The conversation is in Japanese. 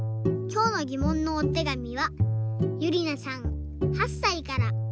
きょうのぎもんのおてがみはゆりなさん８さいから。